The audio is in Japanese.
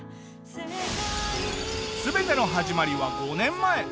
全ての始まりは５年前。